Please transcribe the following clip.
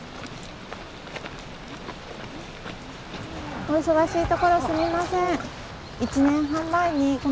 お忙しいところすみません。